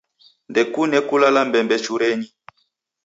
Ndekunde kulala mbembechurenyi.